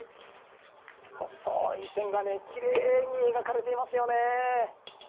細い線がきれいに描かれていますよね。